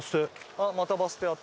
あっまたバス停あった。